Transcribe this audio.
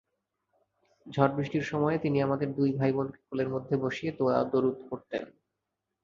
ঝড়-বৃষ্টির সময়ে তিনি আমাদের দুই ভাইবোনকে কোলের মধ্যে বসিয়ে দোয়া-দরুদ পড়তেন।